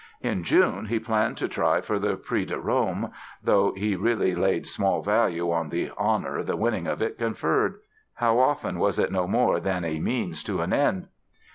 In June he planned to try for the Prix de Rome, though he really laid small value on the "honor" the winning of it conferred. How often was it no more than a means to an end!